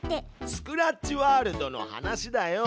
スクラッチワールドの話だよ！